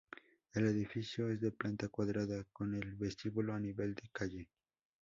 El edificio es de planta cuadrada, con el vestíbulo a nivel de calle.